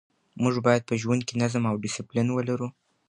موږ باید په ژوند کې نظم او ډسپلین ولرو.